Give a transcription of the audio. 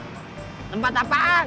kenapa si jepang